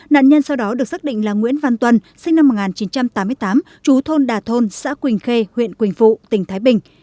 nạn nhân sau đó được xác định là nguyễn văn tuân sinh năm một nghìn chín trăm tám mươi tám chú thôn đà thôn xã quỳnh khê huyện quỳnh phụ tỉnh thái bình